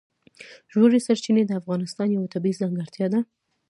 ژورې سرچینې د افغانستان یوه طبیعي ځانګړتیا ده.